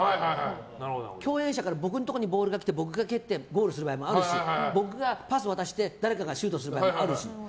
共演者から僕のところにボールが来て僕が蹴ってゴールする場合もあるし僕がパスを出して誰かがシュートすることもあるし。